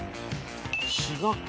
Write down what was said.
滋賀県？